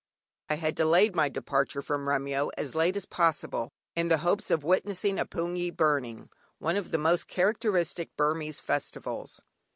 I had delayed my departure from Remyo as late as possible in the hopes of witnessing a "hpoongyi burning," one of the most characteristic Burmese festivals.